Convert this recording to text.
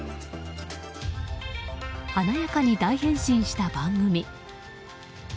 華やかに大変身した番組。